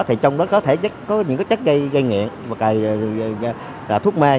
thì trong đó có thể có những cái chất gây nghiện thuốc mê